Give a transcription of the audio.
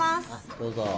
どうぞ。